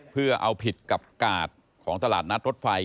เพื่อเอาผิดกับกาดของตลาดนัดรถไฟ